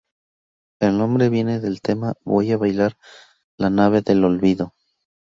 El nombre viene del tema Voy a bailar a la nave del olvido.